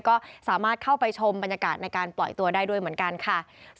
ก็สามารถเข้าไปชมบรรยากาศในการปล่อยตัวได้ด้วยเหมือนกันค่ะ